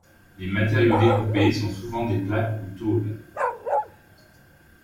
Les matériaux découpés sont souvent des plaques ou tôles.